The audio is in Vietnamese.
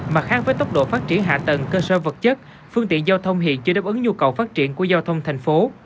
mặt khác với tốc độ phát triển hạ tầng cơ sở vật chất phương tiện giao thông hiện chưa đáp ứng nhu cầu phát triển của giao thông thành phố